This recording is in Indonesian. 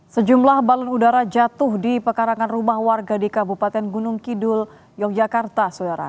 sejumlah balon udara jatuh di pekarangan rumah warga di kabupaten gunung kidul yogyakarta soera